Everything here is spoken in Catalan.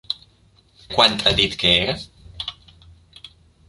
Quant ha dit que era?